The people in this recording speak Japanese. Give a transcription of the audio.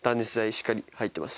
しっかり入ってます